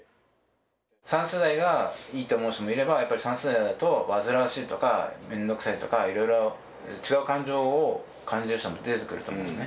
３世代がいいと思う人もいればやっぱり３世代だと煩わしいとか面倒くさいとかいろいろ違う感情を感じる人も出てくると思うのね。